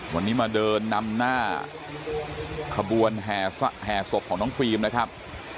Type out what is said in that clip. วันนี้มาเดินนำหน้าขบวนแห่ศพของน้องฟิล์มนะครับ